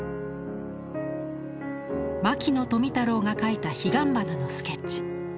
牧野富太郎が描いた彼岸花のスケッチ。